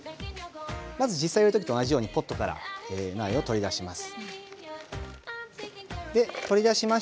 まずは実際の時と同じようにポットから苗を取り出します。